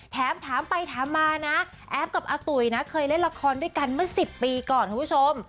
แถมถามไปถามมานะแอฟกับอาตุ๋ยนะเคยเล่นละครด้วยกันเมื่อ๑๐ปีก่อนคุณผู้ชม